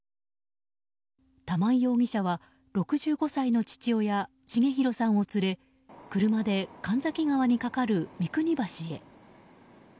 玉井容疑者は６５歳の父親・重弘さんを連れ車で神崎川に架かる三国橋へ。